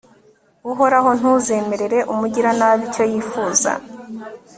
uhoraho, ntuzemerere umugiranabi icyo yifuza